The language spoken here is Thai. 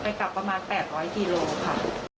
กลับประมาณ๘๐๐กิโลค่ะ